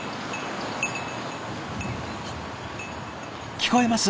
聞こえます？